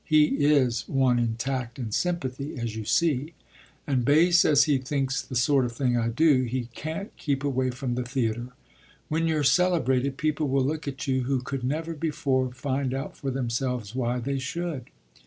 He is one in tact and sympathy, as you see. And base as he thinks the sort of thing I do he can't keep away from the theatre. When you're celebrated people will look at you who could never before find out for themselves why they should."